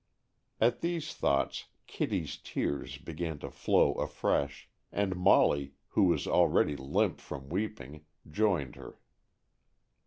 At these thoughts Kitty's tears began to flow afresh, and Molly, who was already limp from weeping, joined her.